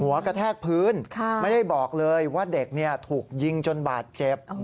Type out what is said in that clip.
หวกระแทกพื้นค่ะไม่ได้บอกเลยว่าเด็กเนี่ยถูกยิงจนบาดเจ็บอ๋อ